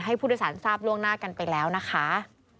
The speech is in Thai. ให้ผู้โดยสารทราบล่วงหน้ากันไปแล้วนะคะ